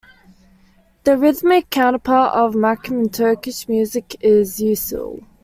The rhythmic counterpart of makam in Turkish music is usul.